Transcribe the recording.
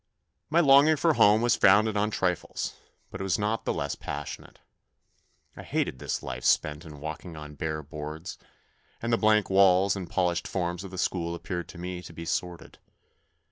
My longing for home was founded on trifles, but it was not the less passionate. I hated this life spent in walking on bare boards, and the blank walls and polished forms of the school appeared to me to be sordid.